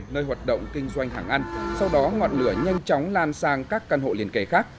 nơi hoạt động kinh doanh hàng ăn sau đó ngọn lửa nhanh chóng lan sang các căn hộ liền kề khác